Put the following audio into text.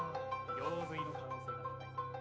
行水の可能性が高いぞ。